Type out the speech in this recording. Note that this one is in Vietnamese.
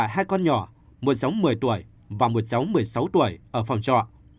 hai con nhỏ một cháu một mươi tuổi và một cháu một mươi sáu tuổi ở phòng trọ